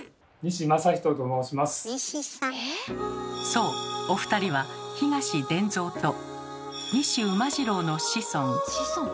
そうお二人は東伝蔵と西馬次郎の子孫。